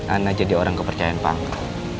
anda jadi orang kepercayaan pak angka